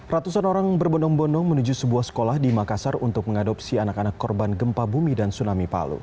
ratusan orang berbonong bondong menuju sebuah sekolah di makassar untuk mengadopsi anak anak korban gempa bumi dan tsunami palu